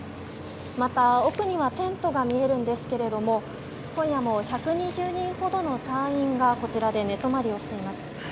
また、奥にはテントが見えるんですが今夜も１２０人ほどの隊員がこちらで寝泊まりをしています。